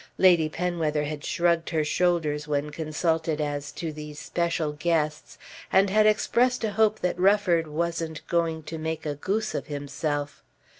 Lady Penwether had shrugged her shoulders when consulted as to these special guests and had expressed a hope that Rufford "wasn't going to make a goose of himself."